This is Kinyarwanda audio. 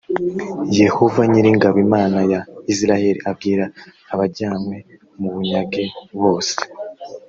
yehova nyir ingabo imana ya isirayeli abwira abajyanywe mu bunyage bose